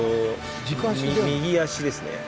右足ですね。